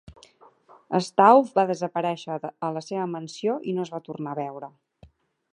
Stauf va desaparèixer a la seva mansió i no es va tornar a veure.